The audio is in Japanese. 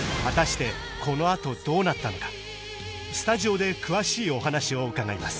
果たしてスタジオで詳しいお話を伺います